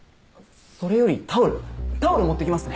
それよりタオルタオル持って来ますね！